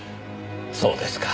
そうですか。